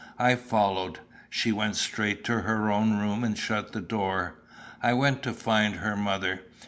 I followed. She went straight to her own room and shut the door. I went to find her mother.